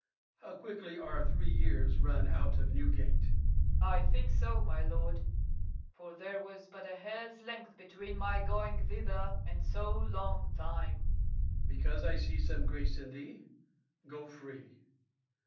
How quickly are three years Run out of Newgate! FAULKNER. I think so, my lord; for there was but a hair's length between my going thither and so long time. MORE. Because I see some grace in thee, go free.